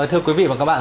thưa quý vị và các bạn